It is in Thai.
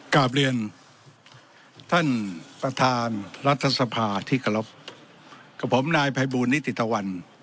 กราบเรียนท่านประธานรัฐสภาที่กรบกับผมนายพายบูรณิติตวรรณ